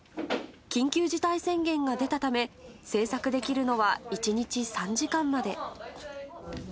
緊急事態宣言が出たため、制作できるのは１日３時間まで。